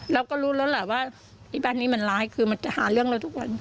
เราก็รู้แล้วแหละว่าไอ้บ้านนี้มันร้ายคือมันจะหาเรื่องเราทุกวัน